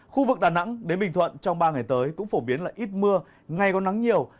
khu vực đà nẵng đến bình thuận trong ba ngày tới cũng phổ biến là ít mưa ngày có nắng nhiều